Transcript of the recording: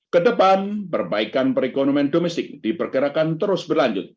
kedepan perbaikan perekonomian domestik diperkirakan terus berlanjut